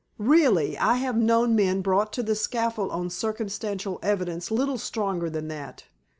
Really, I have known men brought to the scaffold on circumstantial evidence little stronger than that.